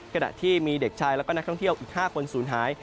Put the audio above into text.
ขณะที่มีเด็กชายแล้วก็นักท่องเที่ยวอีก๕คนศูนย์หาย